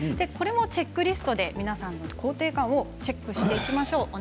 これもチェックリストで皆さんの肯定感をチェックしていきましょう。